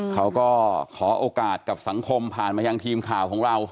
เขาก็ขอโอกาสกับสังคมผ่านมายังทีมข่าวของเรา